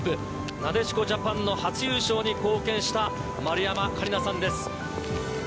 なでしこジャパンの初優勝に貢献した丸山桂里奈さんです。